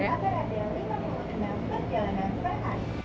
kita mau dengan perjalanan kebahan